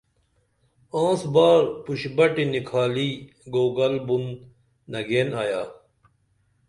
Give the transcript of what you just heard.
آنسبار پُشبٹی نِکھالی گوگل بُن نگیئن آیا